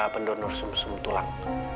pendonor sum sum tulang